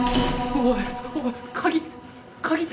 おい！